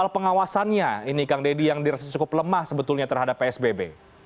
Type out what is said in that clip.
pengawasannya ini kang deddy yang dirasa cukup lemah sebetulnya terhadap psbb